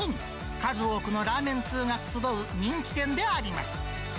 数多くのラーメン通が集う人気店であります。